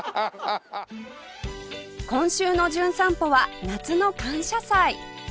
今週の『じゅん散歩』は夏の感謝祭